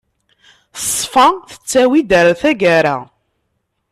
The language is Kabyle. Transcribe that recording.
Ṣṣfa tettawi-d ɣer tagara.